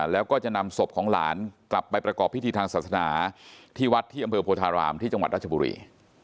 แล้วก็จะนำศพของหลานกลับไปประกอบพิธีทางศาสนาที่วัดที่อำเภอโพธารามที่จังหวัดราชบุรี